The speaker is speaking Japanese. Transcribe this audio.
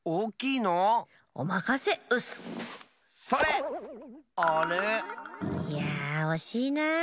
いやあおしいなあ！